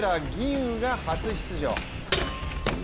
雲が初出場。